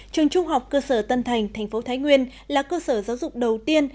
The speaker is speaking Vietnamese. trường trung học cơ sở tân thành tp thái nguyên là cơ sở giáo dục đầu tiên